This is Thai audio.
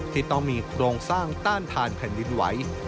ที่ต้องมีโครงสร้างต้านทานแผ่นดินไหว